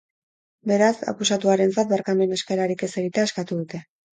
Beraz, akusatuarentzat barkamen eskaerarik ez egitea eskatu dute.